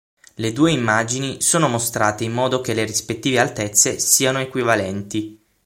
Le due immagini sono mostrate in modo che le rispettive altezze siano equivalenti.